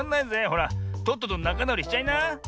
ほらとっととなかなおりしちゃいな。